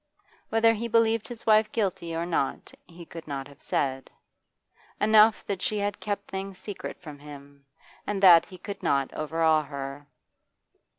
Whether he believed his wife guilty or not he could not have said; enough that she had kept things secret from him, and that he could not overawe her.